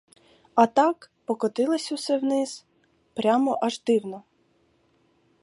А так, покотилась усе вниз, прямо аж дивно.